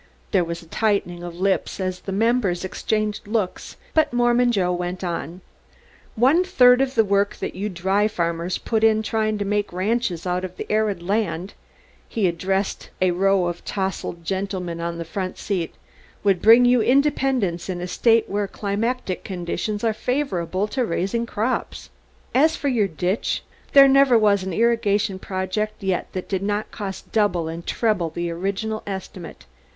There was a tightening of lips as the members exchanged looks, but Mormon Joe went on, "One third of the work that you dry farmers put in trying to make ranches out of arid land," he addressed a row of tousled gentlemen on the front seat, "would bring you independence in a state where climatic conditions are favorable to raising crops. "As for your ditch, there never was an irrigation project yet that did not cost double and treble the original estimate.